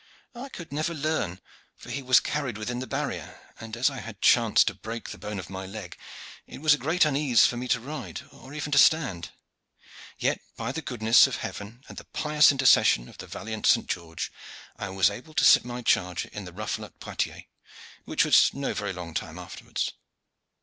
"I could never learn, for he was carried within the barrier, and as I had chanced to break the bone of my leg it was a great unease for me to ride or even to stand. Yet, by the goodness of heaven and the pious intercession of the valiant St. George, I was able to sit my charger in the ruffle of Poictiers, which was no very long time afterwards.